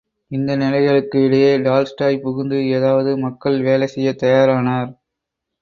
இந்த நிலைகளுக்கு இடையே டால்ஸ்டாய் புகுந்து ஏதாவது மக்கள் வேலை செய்யத் தயாரானார்!